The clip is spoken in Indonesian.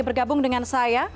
bergabung dengan saya